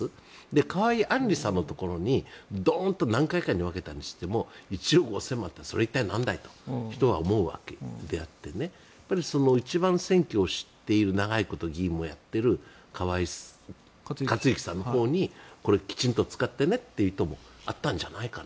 河井案里さんのところにドーンと何回かに分けたにしても１億５０００万円はそれは一体、なんだいと人は思うわけであって一番、選挙を知っている長いこと議員もやっている河井克行さんのほうにきちんと使ってねという意図もあったんじゃないかな。